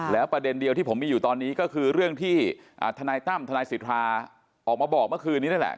แล้วประเด็นเดียวที่ผมมีอยู่ตอนนี้ก็คือเรื่องที่ทนายตั้มทนายสิทธาออกมาบอกเมื่อคืนนี้นั่นแหละ